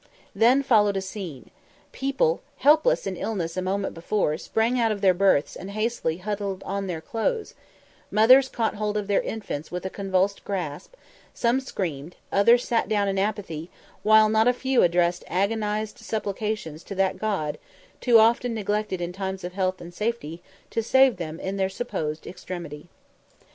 Then followed a scene. People, helpless in illness a moment before, sprang out of their berths and hastily huddled on their clothes; mothers caught hold of their infants with a convulsive grasp; some screamed, others sat down in apathy, while not a few addressed agonised supplications to that God, too often neglected in times of health and safety, to save them in their supposed extremity.